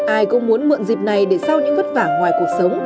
ai cũng muốn mượn dịp này để sau những vất vả ngoài cuộc sống